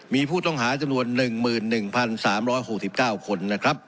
มีผู้ต้องหาจำนวน๑๑๓๖๙คนนะครับ